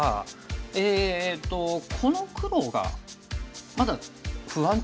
えっとこの黒がまだ不安定ですよね。